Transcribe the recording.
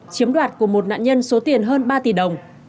chiếm đoạt của một nạn nhân số tiền hơn ba tỷ đồng